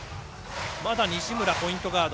まだ西村、ポイントガード。